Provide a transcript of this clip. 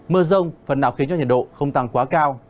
mưa rông phần nào khiến cho nhiệt độ không tăng quá cao